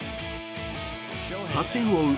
８点を追う